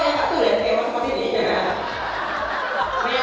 nih cowok pada kakinya pun beda